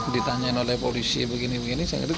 ditanyain oleh polisi begini begini saya ngerti